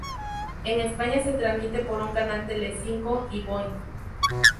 En España se transmite por un canal Telecinco y Boing.